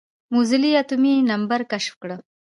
موزلي اتومي نمبر کشف کړه.